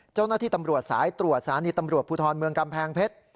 เจ้าหน้าที่ตำรวจสายตรวจสถานีตำรวจภูทรเมืองกำแพงเพชร